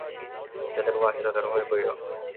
যতটুকু আসে ততটুকুই কইরো।